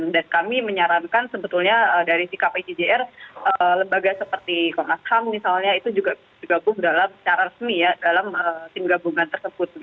dan kami menyarankan sebetulnya dari si kpjjr lembaga seperti komnas ham misalnya itu juga bergabung secara resmi ya dalam tim gabungan tersebut